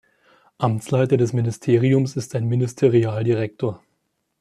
Amtsleiter des Ministeriums ist ein Ministerialdirektor.